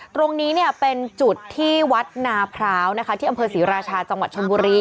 ตรงนี้เป็นจุดที่วัดนาพร้าวที่อำเภอศรีราชาจังหวัดชนบุรี